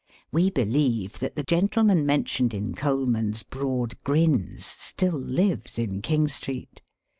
We believe that the gentleman mentioned in Colman's Broad Grins still lives in King Street.